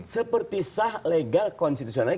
seperti sah legal konstitusional